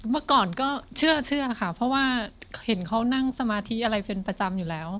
เมื่อก่อนก็เชื่อค่ะเพราะว่าเห็นเขานั่งสมาธิอะไรเป็นประจำอยู่แล้ว